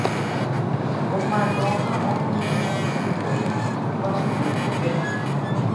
Omano ha oñeñotỹkuri Paso Pukúpe.